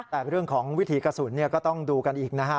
แต่เรื่องของวิถีกระสุนก็ต้องดูกันอีกนะฮะ